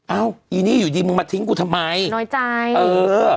อีนี่อยู่ดีมึงมาทิ้งกูทำไมน้อยใจเออ